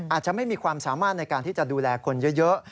อาจจะไม่มีความสามารถในการที่จะดูแลคนเยอะ